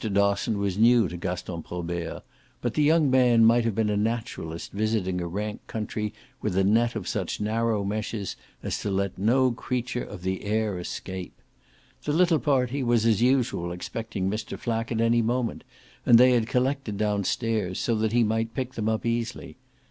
Dosson was new to Gaston Probert, but the young man might have been a naturalist visiting a rank country with a net of such narrow meshes as to let no creature of the air escape. The little party was as usual expecting Mr. Flack at any moment, and they had collected downstairs, so that he might pick them up easily.